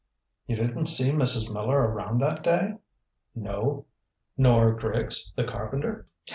"You didn't see Mrs. Miller around that day?" "No." "Nor Griggs the carpenter?"